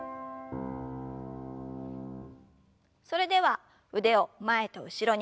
それでは腕を前と後ろに。